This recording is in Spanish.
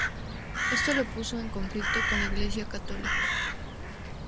Esto le puso en conflicto con la Iglesia católica.